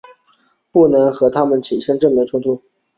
不能和他们正面冲突